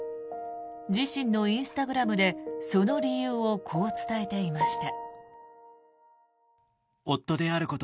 自身のインスタグラムでその理由をこう伝えていました。